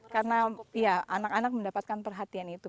karena ya anak anak mendapatkan perhatian itu